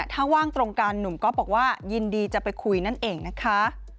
ถ้าว่างตรงกันหนุ่มก๊อฟบอกว่ายินดีจะไปคุยนั่นเองนะคะ